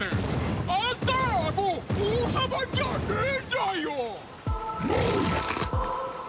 あんたらはもう王様じゃねえんだよ！